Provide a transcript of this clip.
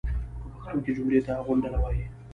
پۀ پښتو کې جملې ته غونډله وایي.